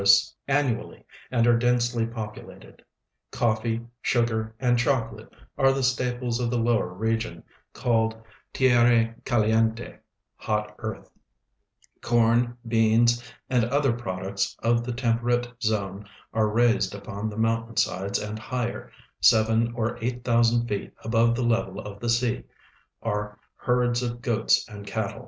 sts annually and are densely populated. Coffee, sugar, and chocolate are the staples of the lower region, called tierre calicntei hoi earth) ; corn, beans, and other ])roducts of the temperate zone are raised upon the mountain sides, and higher, seven or eight thousand feet above the level of the sea, am herds of goats and cattle.